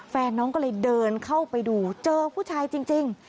แฟนน้องก็เลยเดินเข้าไปดูเจอผู้ชายจริง